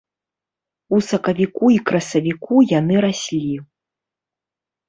У сакавіку і красавіку яны раслі.